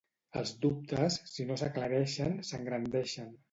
Els dubtes, si no s'aclareixen, s'engrandeixen.